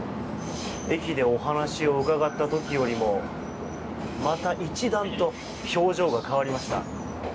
駅でお話を伺った時よりもまた一段と表情が変わりました。